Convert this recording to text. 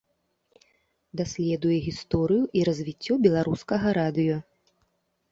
Даследуе гісторыю і развіццё беларускага радыё.